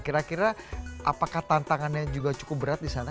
kira kira apakah tantangannya juga cukup berat di sana